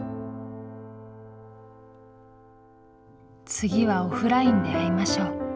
次はオフラインで会いましょう。